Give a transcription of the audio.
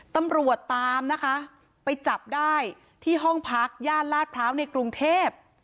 ตำรวจตามนะคะไปจับได้ที่ห้องพักย่านลาดพร้าวในกรุงเทพ